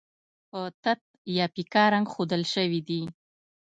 په تت یا پیکه رنګ ښودل شوي دي.